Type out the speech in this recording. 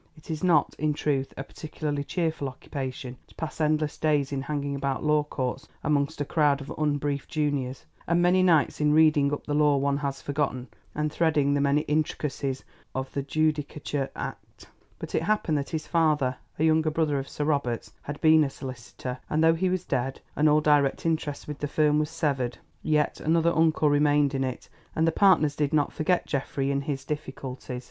It is not, in truth, a particularly cheerful occupation to pass endless days in hanging about law courts amongst a crowd of unbriefed Juniors, and many nights in reading up the law one has forgotten and threading the many intricacies of the Judicature Act. But it happened that his father, a younger brother of Sir Robert's, had been a solicitor, and though he was dead, and all direct interest with the firm was severed, yet another uncle remained in it, and the partners did not forget Geoffrey in his difficulties.